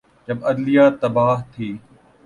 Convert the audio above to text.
جب عدلیہ تابع تھی۔